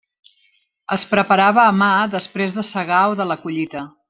Es preparava a mà després de segar o de la collita.